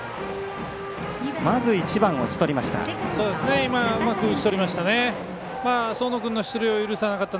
まず１番を打ちとりました。